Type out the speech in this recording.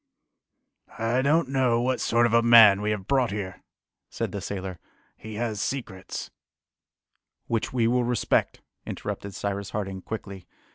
"I don't know what sort of a man we have brought here," said the sailor. "He has secrets " "Which we will respect," interrupted Cyrus Harding quickly.